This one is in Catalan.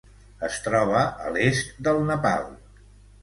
Es troba a l'est del Nepal.